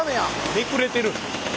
めくれてる。